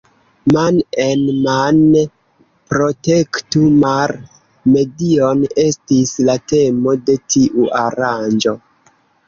Man-en-mane protektu mar-medion estis la temo de tiu aranĝo.